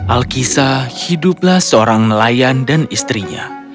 alkisah hiduplah seorang nelayan dan istrinya